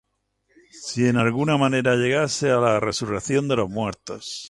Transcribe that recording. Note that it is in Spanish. Si en alguna manera llegase á la resurrección de los muertos.